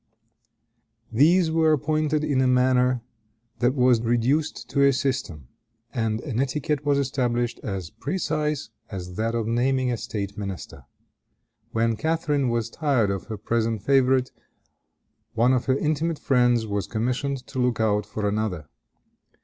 These were appointed in a manner that was reduced to a system, and an etiquette was established as precise as that of naming a state minister. When Catharine was tired of her present favorite, one of her intimate friends was commissioned to look out for another.